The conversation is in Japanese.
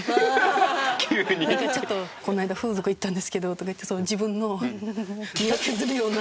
「この間風俗行ったんですけど」とか言って自分の身を削るような。